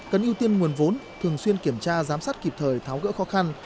cần ưu tiên nguồn vốn thường xuyên kiểm tra giám sát kịp thời tháo gỡ khó khăn